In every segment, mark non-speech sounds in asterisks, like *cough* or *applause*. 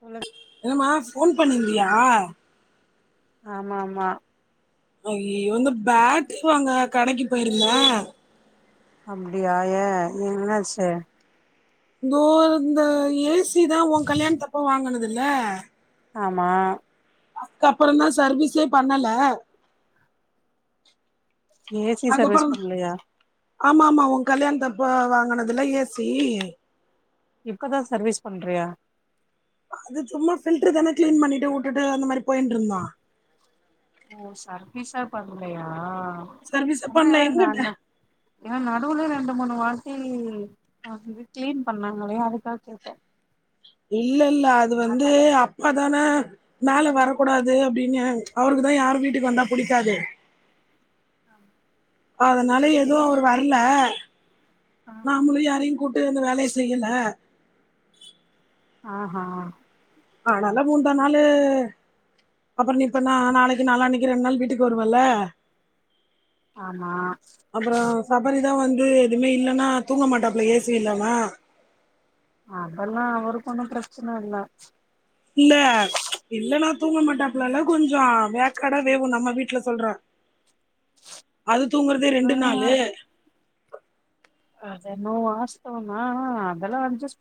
சொல்லு என்னம்மா போன் பண்ணிருந்தியா ஆமா ஆமா அய்ய்யோ இந்த பேட்ரி வங்க கடைக்கு போயிருந்தே அப்டியா ஏன் என்னாச்சு இதோ இந்த ஏசி தான் உன் கல்யாணத்தப்ப வாங்குனதுல ஆமா அதுக்கப்புற தான் சர்வீஸே பண்ணல ஏசி சர்வீஸ் அதுக்கப்புறம் பண்லையா ஆமா ஆமா உன் கல்யாண தப்ப வாங்கனதுல ஏசி இப்பதான் சர்வீஸ் பண்றியா அது சும்மா பில்டர் தானே கிளீன் பண்ணிட்டு உட்டுட்டு அந்த மாதிரி போயிட்டு இருந்தொ ஓ சர்வீஸ்சே பண்லையா சர்வீஸ் ஆனா பண்ணல எங்கிட்ட ஏ ஏ நடுவுல ரெண்டு மூணு வாட்டி இது கிளீன் பண்ணாங்களே அதுக்காக கேட்ட இல்ல இல்ல அது வந்து அப்ப தானே மேல வரக்கூடாது அப்படின்னு அவருக்கு அந்த யார் வீட்டுக்கு வந்தா புடிக்காது ஆம் அதனால எதுவு அவரு வர்லெ நாம்மளு யாரயுங்கூட்டு அந்த வேலெய செய்யல ஆஹ்ஹா ஆனால மூந்தா நாளு அப்பற நீ இப்பனா நாளக்கி நாளான்னக்கி ரெண் நாள் வீட்டுக்கு வருவலெ ஆம்மா அதான் வந்து எதுவுமே இல்லன்னா தூங்க மாட்டாப்புல ஏசி இல்லாமெ அதெல்லா அவருகொண்ணு பிரச்சன இல்ல இல்ல இல்லன்னா தூங்க மாட்டாப்புல்லல்ல கொஞ்சோ வேக்காடா வேவும் நம்ம வீட்ல சொல்ற அது தூங்குறதுே அது ரெண்டு நாலு அதென்னவோ வாஸ்தவம் தான் ஆனா அதல்லா அஜெஸ்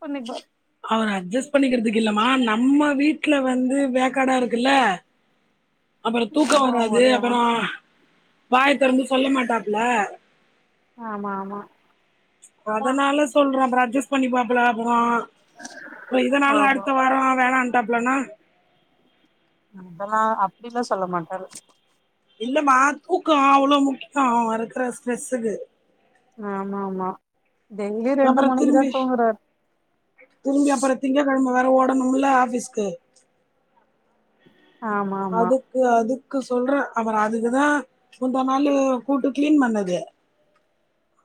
அவரா அஜெஸ் பண்ணிக்கிறதுக்கு இல்லமா நம்ம வீட்ல வந்து வேக்காடா இருக்குல்ல அப்புற தூக்க ஆமா வராது ஒரே அப்புறம் வாய திறந்து சொல்ல மாட்டாப்புல ஆமா ஆமா அதனால சொல்றே அப்புறம் அஜ்ஜெஸ் பண்ணிபாப்புல அப்புறோ இப்ப இதனால ஆமா அடுத்த வாரம் வேணான்ட்டாப்லனா அதென்னா அப்டிலா சொல்ல மாட்டாரு இல்லமா தூக்கம் அவ்ளோ முக்கியம் அவ இருக்குற ஸ்ட்ரெஸ்ஸுக்கு ஆமா ஆமா டெய்லி ரெண்டு அப்புற மணிக்குதா திரும்பி தூங்குறாரு திரும்பி அப்புறம் திங்க கெழம்ம வேற ஓடணுமுல்ல ஆஃபீஸ்க்கு ஆமா ஆமா அதுக்கு அதுக் அதுக்கு சொல்றே அவரு அதுக்குதா முந்தா நாளு கூட்டு க்ளீன் பண்ணது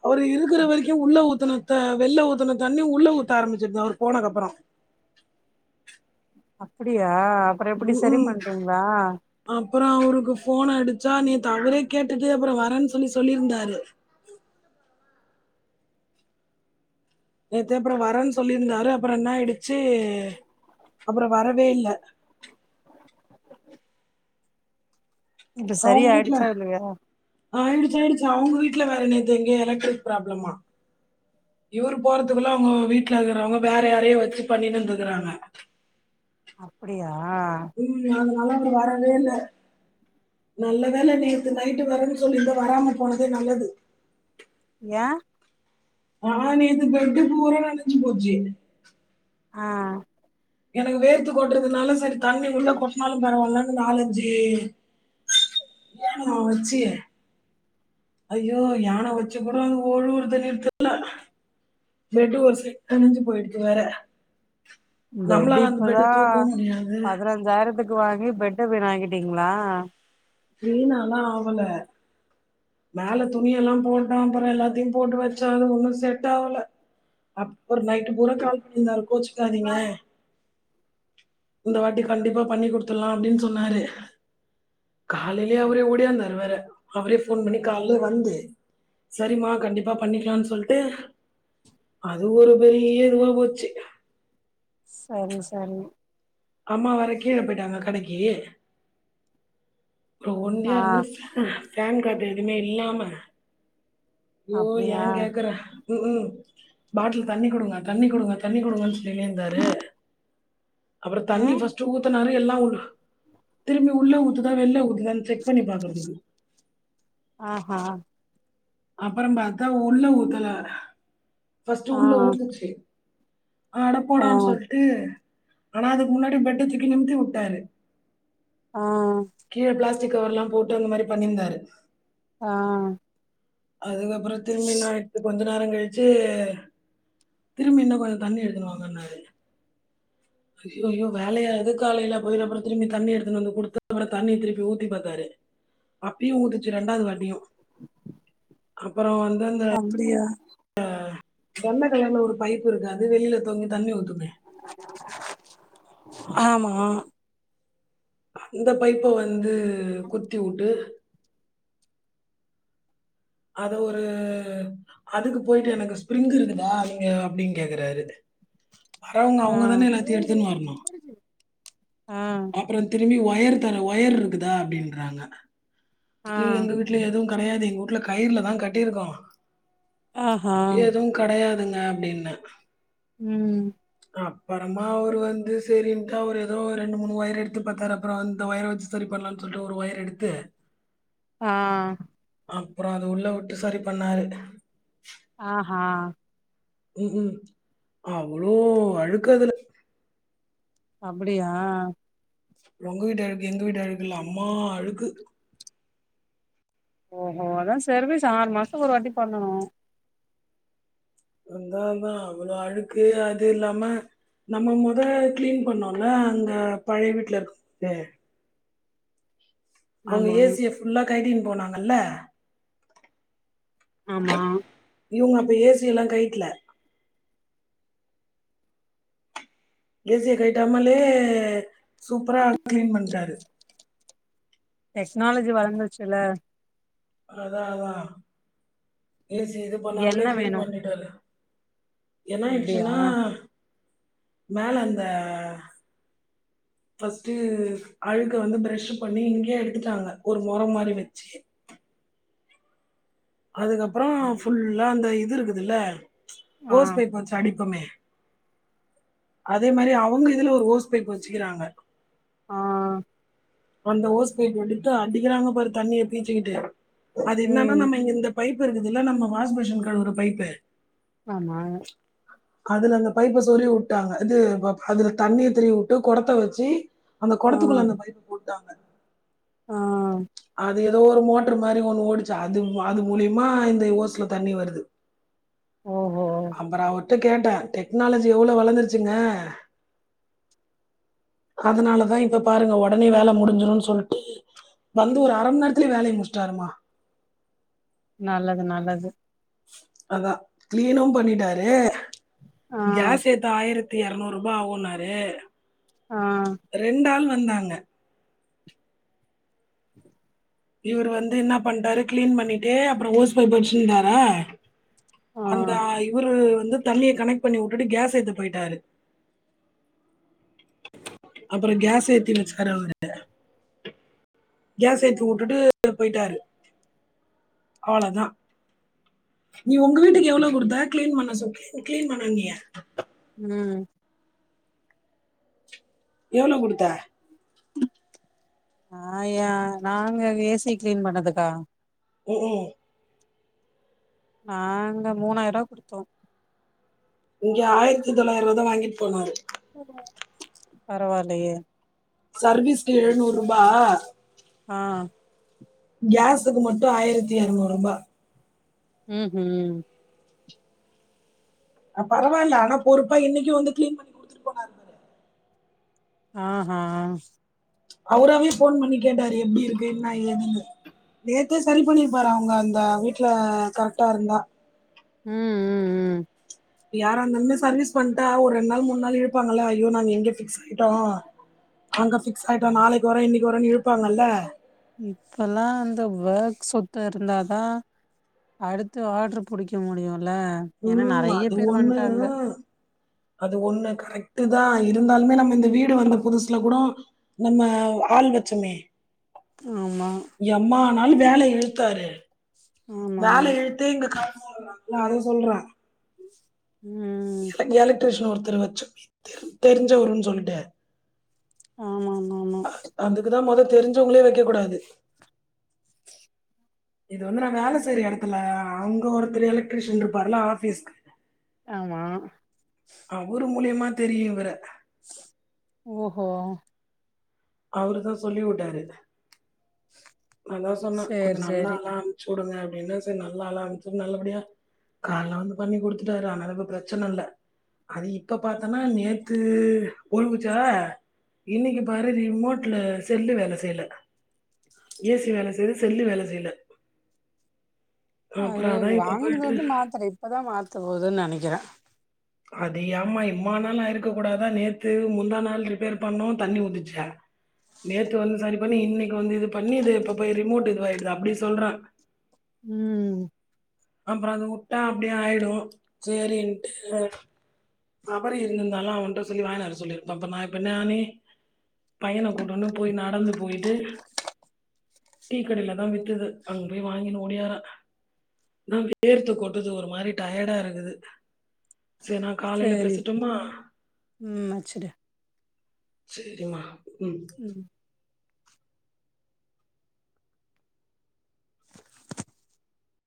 அவரு இருக்குற வரைக்கும் உள்ள ஒத் துனத்த வெள்ள ஊத்துன தண்ணி உள்ள ஊத்த ஆரம்மிச்சிருது அவர் போனக்கப்புறம் அப்டியா உஹீம் அப்புறம் அவருக்கு ஃபோ போன் அடிச்சா நேத்து அவரே கேட்டுட்டு அப்புறம் வரேன் சொல்லி சொல்லிருந்தாரு நேத்து அப்புறம் வரேன்னு சொல்லிருந்தாரு அப்புறம் என்னாயிடிச்சி அப்புறம் வரவே இல்ல இப்ப சரி அவுங்க வீட்ல ஆயிடுச்சா இல்லையா ஆய்டு ச்சாயிடிச்சி அவுங்க வீட்ல வேற நேத்து எங்கயோ எலக்ட்ரிக் ப்ராப்ளமா இவரு போறதுக்குள்ள அவுங்க வீட்ல இருக்கிறவங்க வேற யாரையோ வச்சி பண்ணினுந்துகிறாங்க அப்படியா உம் அதனால அங்க வரவே இல்ல நல்ல வேல நேத்து நைட்டு வரேன்னு சொல்லிருந்த வராம போனதே நல்லது ஏன் ஆஹ் நேத்து பெட்டு பூரா நனஞ்சி போச்சி ஆஹ் எனக்கு வேர்த்து கொட்டுறதுனால சரி தண்ணி உள்ள கொட்னாலும் பரவாயில்லன்னு நாலஞ்சி ஏனோ வச்சியே அய்யோ யானம் வச்சி கூட அங்க ஒழுவுரது நிறுத்தல பெட்டு ஒரு சைடு நனஞ்சி போய்டிச்சி வேற பெட்டு நம்மளால அந்த பெட்டை இப்பதா தூக்கவும் முடியாது பதினஞ்சாயிரத்துக்கு வாங்கி பெட்ட வீணாக்கி டிங்களா வீணாலா ஆவல மேல துணியெல்லாம் போட்டோம் அப்புறம் எல்லாத்தியும் போட்டு வச்சாலும் ஒன்னு செட் ஆவல அப்புற நைட்டு பூரா கால் பண்ணியிருந்தாரு கோச்சுக்காதீங்க இந்த வாட்டி கண்டிப்பா பண்ணி கொடுத்துடலாம் அப்படின்னு சொன்னாரு காலைலே அவரே ஓடி வந்தாரு வேற அவரே ஃபோன் பண்ணி காலைல வந்து சரிமா கண்டிப்பா பண்ணிக்கலான்னு சொல்லிட்டு அதுவும் ஒரு பெரிய இதுவா போச்சு சரி சரி அம்மா வேர கீழ போயிட்டாங்க கடைக்கு அப்புறம் ஆ ஒன்டியா இருந்து ஃபேன் காத்து எதுவுமே இல்லாம யோ அப்படியா ஏன் கேக்கற உம் உம் பாட்டில் தண்ணி கொடுங்க தண்ணி கொடுங்க தண்ணி கொடுங்கன்னு சொல்லினே இருந்தாரு அப்பறோ தண்ணி ஏன் ஃபஸ்ட் ஊத்தனாரு எல்லா திரும்பி உள்ள ஊத்துதா வெள்ள ஊத் செக் பண்ணி பாக்குறதுக்கு ஆஹ் அப்பறோ பாத்தா உள்ள ஊத்தல ஃபஸ்ட் ஆ உள்ள ஊத்துச்சு அட ஆ போடான்னு சொல்ட்டு ஆனா அதுக்கு முன்னாடி பெட்ட தூக்கி நிமித்தி உட்டாரு ஆ கீழ பிளாஸ்டிக் கவர் எல்லா போட்டு அந்த மாறி பண்ணிந்தாரு ஆஹ் அதுக்கப்பறோ திரும்பி நா இப்ப கொஞ்ச நேரோ கழிச்சு திரும்பி இன்னு கொஞ்சோ தண்ணி எடுத்துனுவாங்கனாரு அய்யய்யோ வேலயா இது காலைல போய் அப்றோ திரும்பி தண்ணி எடுத்துனு வந்து கொடுத்து *unintelligible* தண்ணி திருப்பி ஊத்தி பாத்தாரு அப்பயு உத்துச்சு ரெண்டாவது வாட்டியு அப்டியா ஹ தண்டக்கல்ல ஒரு பைப்பு இருக்கு அது வெளில தொங்கி தண்ணி ஊத்துமே ஆமா அந்த பைப்ப வந்து குத்தி வுட்டு அத ஒரு அதுக்கு போயிட்டு எனக்கு ஸ்பிரிங்க் இருக்குதா நீங்க அப்டின்னு கேக்குறாரு வரவங்க ஆ அவுங்கதானே எல்லாத்தையு எடுத்துன்னு வரணு ஆ அப்றோ திரும்பி ஒயர் தர ஒயர் இருக்குதா அப்டின்றாங்க ஆ ஐயோ எங்க வீட்ல எதுவு கெடையாது எங்க வூட்ல கயிருலதா கட்டிருக்கோ ஆஹா எதுவு கிடையாதுங்க அப்டின்ன ம் அப்பறமா அவர் வந்து சரி ஒரு ஏதோ ரெண்டு மூணு ஒயர் எடுத்து பாத்தாரு அப்றோ அந்த ஒயர் வச்சு சரி பண்ணலானு சொல்ட்டு ஒரு ஒயர் எடுத்து ஆஹ் அப்பறோ அத உள்ள உட்டு சரி பண்ணாரு ஆஹா உம் உம் அவ்ளோ அழுக்கு அதுல அப்டியா உங்க வீட்டு அழுக்கு எங்க வீட்டு அழுக்குல்ல அம்மா அழுக்கு ஓஹோ அதா சர்வீஸ் ஆறு மாசத்துக்கு ஒரு வாட்டி பண்ணணு அந்தால் தா அவ்ளோ அழுக்கு அது இல்லாம நம்ம முத க்ளீன் பண்ணோல அங்க பழய வீட்ல இருக்கு *inaudible* து அவுங்க ஆமா ஏசிய ஃபுல்லா கைட்டினு போனாங்கல்ல ஆமா இவங்க அப்ப ஏசி எல்லா கைட்ல ஏசிய கயிட்டாமாலே சூப்பரா க்ளீன் பண்ட்டாரு டெக்னாலஜி வளர்ந்துச்சுல்ல அதாஅதா ஏசிய இது என்ன பண்ணாமலே க்ளீன் வேணு பண்ணிட்டாரு என்ன அப்டியா ஆயிடுச்சுன்னா மேல அந்த ஃபஸ்ட்டு அழுக்க வந்து ப்ரெஷ் பண்ணி இங்கே எடுத்துட்டாங்க ஒரு மொரோ மாறி வச்சு அதுகப்றோ ஃபுல்லா அந்த இது இருக்குதுல்ல ம்ச் ஆ ஓஸ் பைப் வச்சு அடிப்போமே அதே மாறி அவுங்க இதுல ஒரு ஓஸ் பைப் வச்சுகிறாங்க ஆஹ் அந்த ஓஸ் பைப் வந்துட்டு அடிக்றாங்க பாரு தண்ணிய பீச்சிகிட்டு அது என்னனா ம் நம்ம இந்த பைப் இருக்குதுல நம்ம வாஷ் பேஷன் கழுவுற பைப்பு ஆமா அதுல அந்த பைப்ப சொறுகி வுட்டாங்க இது ப அதுல தண்ணி திருகி வுட்டு கொடத்த வச்சி அந்த ஆ கொடத்துகுள்ள அந்த பைப் போட்டாங்க ஆ அது எதோ ஒரு மோட்ரு மாரி ஒண்ணு ஓடிச்சு அது அது மூலிமா இந்த ஓஸ்ல தண்ணி வர்து ஓஹோ அப்றோ அவர்ட்ட கேட்டே டெக்னாலஜி எவ்ளோ வளர்ந்துச்சுங்க அதுனாலதா இப்ப பாருங்க ஒடனே வேல முடுஞ்சிருன் சொல்ட்டு வந்து ஒரு அரமண் நேரத்லே வேலய முடுச்ட்டாருமா நல்லது நல்லது அதா க்ளீனு பண்ணிட்டாரு ஆ கேஸ் எதா ஆயிரத் இரநூறுபா ஆவுனாரு ஆ ரெண்டாள் வந்தாங்க இவரு வந்து இன்னா பண்ட்டாரு க்ளீன் பண்ணிட்டே அப்றோ ஓஸ் பய்ப் போய்ச்ட்டாரா ஆ அந்த இவுரு வந்து தண்ணிய கனெக்ட் பண்ணி உட்டுட்டு கேஸ் ஏத்த போய்ட்டாரு அப்றோ கேஸ் ஏத்தி வச்சு *unintelligible* அவுரு கேஸ் ஏத்தி உட்டுட்டு போய்ட்டாரு அவ்ளதா நீ ஒங்க வீட்டுக்கு எவ்ளோ குடுத்த க்ளீன் பண்ண சொல்லி கிளீன் பண்ணன்னியே ம் எவ்ளோ குடுத்த ஆ ஏ நாங்க ஏசி க்ளீன் பண்ணதுக்கா ம் ம் நாங்க மூணாயிரூவா குடுத்தோ இங்க ஆய்ரத்தி தொள்ளாய்ரூவாதா வாங்கிட் போனாரு பரவால்லயே சர்வீஸ்க்கு எழுநூர்பா ஆ கேஸுக்கு மட்டு ஆயிரத்தி எரநூர்பா ம் ஹூம் அ பரவால்ல ஆனா பொறுப்பா இன்னைக்கு வந்து க்ளீன் பண்ணி குடுத்ட் போனாரு *inaudible* அவுராவே ஃபோன் பண்ணி கேட்டாரு எப்டிருக்கு என்னா ஏதுனு நேத்தே செரி பண்ணிருப்பாரு அவுங்க அந்த வீட்ல கரெக்டா இருந்தா ம் ம் ம் ம் யாராந்தாலுமே சர்வீஸ் பண்ட்டா ஒரு ரெண் நாள் மூணு நாள் இழுப்பாங்கல்ல ஐயோ நாங்க இங்க ஃபிக்ஸ் ஆயிட்டோ அங்க ஃபிக்ஸ் ஆயிட்டோ நாளைக்கு வரோ இன்னைக்கு வரோன் இழுப்பாங்கல்ல இப்பெல்லா இந்த வேர்க் சொத்து இருந்தாதா அடுத்து ஆட்ரு புடிக்க முடியுல ஏனா ம் நெறய அது பேர் ஒண்ணு வந்ட்டாங்க அது ஒன்னு கரெக்டு தா இருந்தாலுமே நம்ம இந்த வீடு வந்த புதுசுல கூடோ நம்ம ஆள் வச்சமே ஆமா நாள் வேல இழுத்தாரு ஆமா வேல ஆமா இழுத்து இங்க *unintelligible* அத சொல்றே ம் எலக் எலக்ட்ரிஷன் ஒருத்தர் வச்சுமே தெரிஞ்சவருன் சொல்ட்டு ஆமா ஆமா ஆமா அ அதுக்குதா மொத தெரிஞ்சவங்ளே வைக்க கூடாது இது வந்து நா வேல செய்ற எடத்துல அங்க ஒருத்தர் எலக்ட்ரிஷியன் இருப்பார்ல ஆபீஸ்க்கு ஆமா அவுரு மூலியுமா தெரியு இவர ஓஹோ அவுருதா சொல்லி உட்டாரு நாதா சொன்னே கொஞ்சோ சேரி நல்ல சேரி ஆளா அம்ச்சு உடுங்க அப்டின் சரி நல்லா ஆளா அம்ச்சு நல்லபடியா காலைல வந்து பண்ணி குடுத்துட்டாரு ஆன அதுக்கு பிரச்சன இல்ல அது இப்ப பத்தோன்னா நேத்து ஒழுவுச்சா இன்னைக்கி பாரு ரிமோட்ல செல்லு வேல செய்யல ஏ சி வேல செய்யுது செல்லு வேல செய்யல அது அப்புறம் அதான் இப்ப போயிட்டு வாங்குனதுலந்து மாத்தல இப்பதா மாத்த போதுன்னு நெனைக்கிறே அது ஏம்மா இம்மா நாள ஆயிருக்க கூடாதா நேத்து முந்தா நாள் ரிப்பேர் பண்ணோ தண்ணி ஊதிச்சா நேத்து வந்து சரி பண்ணி இன்னைக்கி வந்து இது பண்ணி இது இப்ப போய் ரிமோட் இதுவாயிடுத அப்டி சொல்ற ம் அப்புற அது வுட்டா அப்டியே ஆயிடு சேரினுட்டு சபரி இருந்திருந்தாலா அவனிட்ட சொல்லி வாங்கியார சொல்லியிருப்பா இப்போ நா இப்ப நானே பயன கூட்டுனு போய் நடந்து போயிட்டு டீக்கடையில தா வித்துது அங்க போய் வாங்கினு ஓடியார நா வேர்த்துக் கொட்டுது ஒரு மாரி டயர்டா இருக்குது செரினா காலையில சேரி பேசட்டுமா ம் வச்சுடு செரிமா ம்